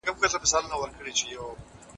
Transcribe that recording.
زه اوږده وخت د ښوونځی لپاره تياری کوم!